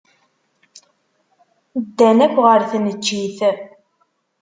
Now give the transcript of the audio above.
Ddan akk ɣer tneččit.